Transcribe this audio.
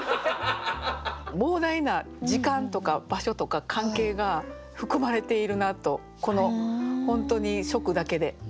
膨大な時間とか場所とか関係が含まれているなとこの本当に初句だけで。